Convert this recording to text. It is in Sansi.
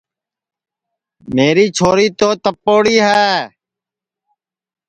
میری چھوری تو تپوڑی ہے